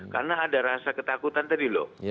karena ada rasa ketakutan tadi loh